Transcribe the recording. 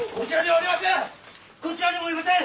こちらにはおりません！